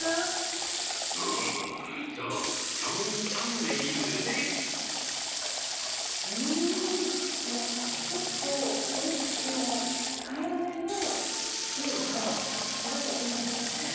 そう、ちょん、うーん、このちょっと濃い口の辛めのつゆがすごくいいんですよね。